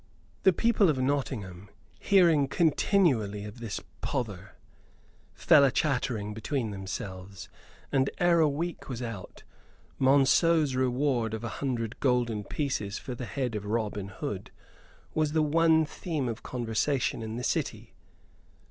The people of Nottingham, hearing continually of this pother, fell a chattering between themselves, and ere a week was out Monceux's reward of a hundred golden pieces for the head of Robin Hood was the one theme of conversation in the city.